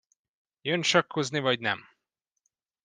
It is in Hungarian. Jön sakkozni, vagy nem?